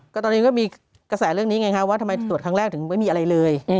ตอนนี้ก็มีกระแสเรื่องนี้ไงฮะว่าทำไมตรวจครั้งแรกถึงไม่มีอะไรเลย